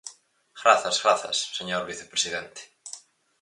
Grazas, grazas, señor vicepresidente.